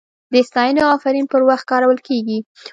د ستاینې او افرین پر وخت کارول کیږي.